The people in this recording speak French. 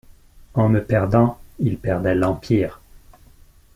En me perdant, il perdait l'empire !